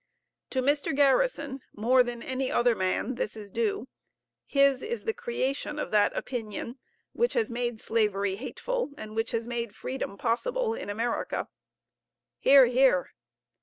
To Mr. Garrison more than any other man this is due; his is the creation of that opinion which has made slavery hateful, and which has made freedom possible in America. (Hear, hear.)